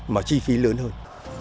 mà chi phí lớn hơn